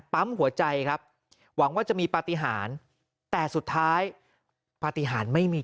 ปั๊มหัวใจครับหวังว่าจะมีปฏิหารแต่สุดท้ายปฏิหารไม่มี